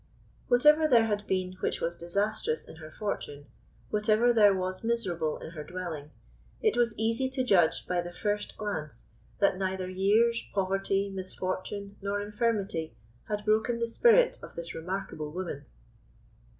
Whatever there had been which was disastrous in her fortune, whatever there was miserable in her dwelling, it was easy to judge by the first glance that neither years, poverty, misfortune, nor infirmity had broken the spirit of this remarkable woman.